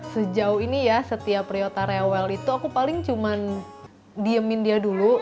sejauh ini ya setiap priota rewel itu aku paling cuman diemin dia dulu